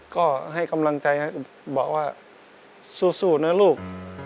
ก็ให้กำลังใจครับบอกว่าสู้นะลูก